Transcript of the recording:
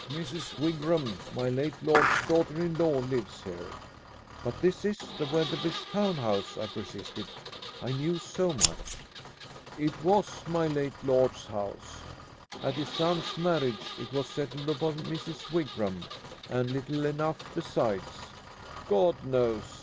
Mrs. Wigram, my late lord's daughter in law, lives here." "But this is the Wetherbys' town house," I persisted. I knew so much. "It was my late lord's house. At his son's marriage it was settled upon Mrs. Wigram, and little enough besides, God knows!"